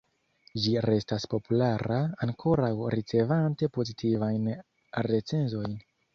Ĝi restas populara, ankoraŭ ricevante pozitivajn recenzojn.